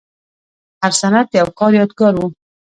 هر سند د یو کار یادګار و.